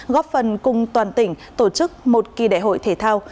góp phần cùng toàn tỉnh tổ chức một kỳ đại hội thể thao